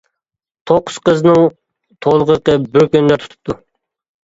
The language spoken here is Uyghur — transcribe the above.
توققۇز قىزنىڭ تولغىقى بىر كۈندە تۇتۇپتۇ.